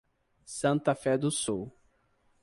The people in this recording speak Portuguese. Santa Fé do Sul